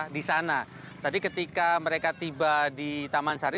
di sana tadi ketika mereka tiba di taman sari